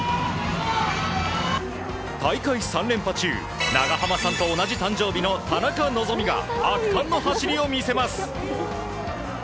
大会３連覇中長濱さんと同じ誕生日の田中希実が圧巻の走りを見せます。